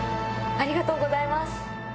ありがとうございます。